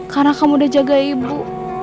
karena kamu udah jaga ibu